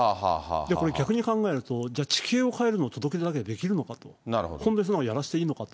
これ、逆に考えると、じゃあ、地形を変えるの、届け出だけでできるのか、そんなことをやらしていいのかと。